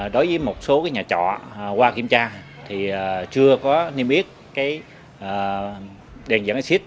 đối với một số nhà trọ qua kiểm tra thì chưa có niêm yết đèn dẫn xít